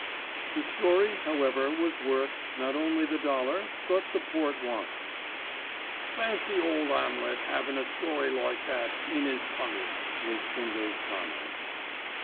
The story, however, was worth, not only the dollar but the port wine. "Fancy Old 'Amlet 'avin' a story like that in 'is tummy," was Bindle's comment.